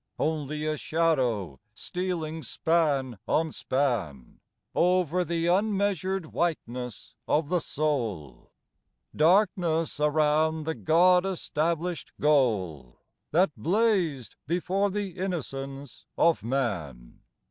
Only a shadow stealing span on span Over the unmeasured whiteness of the soul ; Darkness around the God established goal That blazed before the innocence of man.